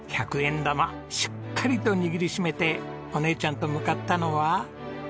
玉しっかりと握りしめてお姉ちゃんと向かったのは。